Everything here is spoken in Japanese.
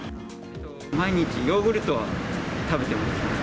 毎日、ヨーグルトは食べてますね。